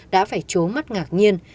đã phải trốn mắt ngạc nhiên